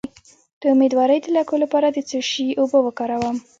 د امیدوارۍ د لکو لپاره د څه شي اوبه وکاروم؟